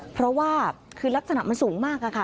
เพราะว่าคือลักษณะมันสูงมากค่ะ